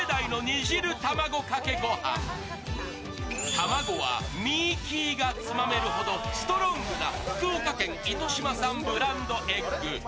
卵はミーキーがつまめるほどストロングな福岡県糸島産ブランドエッグ。